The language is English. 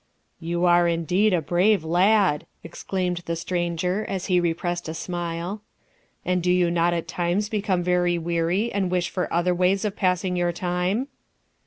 "You are indeed a brave lad," exclaimed the stranger, as he repressed a smile. "And do you not at times become very weary and wish for other ways of passing your time?"